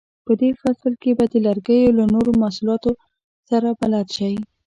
په دې فصل کې به د لرګیو له نورو محصولاتو سره بلد شئ.